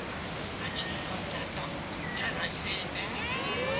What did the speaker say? あきのコンサートたのしいね！ね！